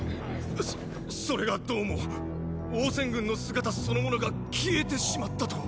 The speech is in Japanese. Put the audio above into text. そそれがどうも王翦軍の姿そのものが消えてしまったと。